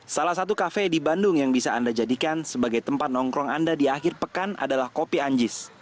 salah satu kafe di bandung yang bisa anda jadikan sebagai tempat nongkrong anda di akhir pekan adalah kopi anjis